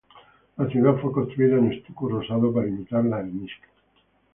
La ciudad fue construida en estuco rosado para imitar la arenisca.